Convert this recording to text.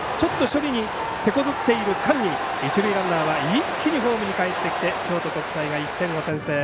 処理にてこずっている間に一塁ランナーは一気にホームにかえってきて京都国際が１点を先制。